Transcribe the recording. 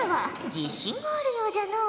自信があるようじゃのう。